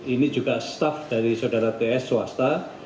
ini juga staff dari saudara ts swasta